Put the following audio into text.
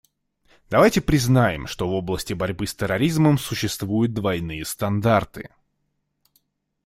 Давайте признаем, что в области борьбы с терроризмом существуют двойные стандарты.